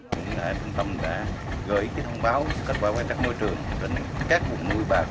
trung tâm đã gửi thông báo kết quả quan trắc môi trường đến các vùng nuôi bà